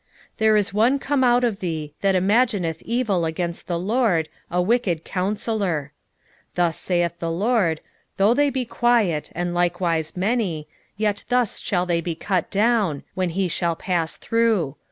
1:11 There is one come out of thee, that imagineth evil against the LORD, a wicked counsellor. 1:12 Thus saith the LORD; Though they be quiet, and likewise many, yet thus shall they be cut down, when he shall pass through.